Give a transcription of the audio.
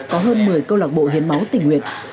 có hơn một mươi câu lạc bộ hiến máu tỉnh huyện